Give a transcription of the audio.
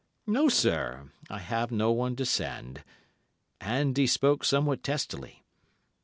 No, sir, I have no one to send,' and he spoke somewhat testily.